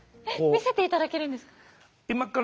見せていただけるんですか？